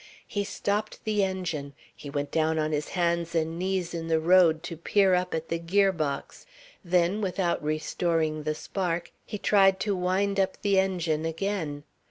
He stopped the engine, he went down on his hands and knees in the road to peer up at the gear box, then without restoring the spark, he tried to wind up the engine again.